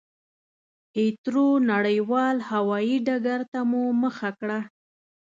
هېترو نړېوال هوایي ډګرته مو مخه کړه.